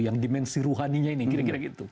yang dimensi ruhaninya ini kira kira gitu